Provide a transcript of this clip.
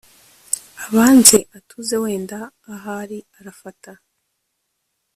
abanze atuze wenda ahari arafata